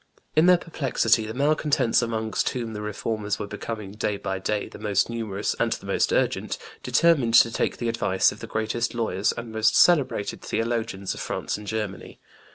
'" In their perplexity, the malcontents, amongst whom the Reformers were becoming day by day the most numerous and the most urgent, determined to take the advice of the greatest lawyers and most celebrated theologians of France and Germany.